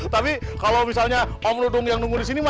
tapi kalo misalnya om dudung yang nunggu disini